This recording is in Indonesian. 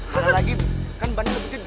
malah lagi kan ban lo lebih gede